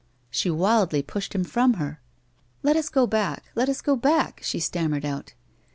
She wiklly pushed him from her ;'' Let us go back. Let us go back," she stammered out.